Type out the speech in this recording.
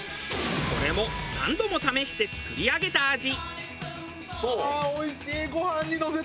これも何度も試して作り上げた味。